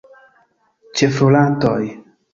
Ĉefrolantoj.